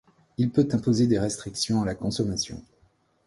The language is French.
Il peut imposer des restrictions à la consommation.